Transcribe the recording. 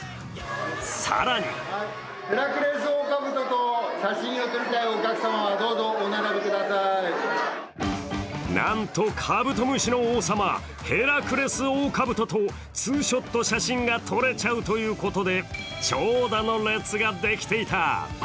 更になんとカブトムシの王様ヘラクレスオオカブトとツーショット写真が撮れちゃうということで長蛇の列ができていた。